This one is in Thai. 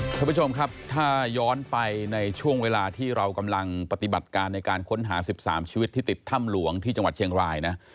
ท่านผู้ชมครับถ้าย้อนไปในช่วงเวลาที่เรากำลังปฏิบัติการในการค้นหา๑๓ชีวิตที่ติดถ้ำหลวงที่จังหวัดเชียงรายนะ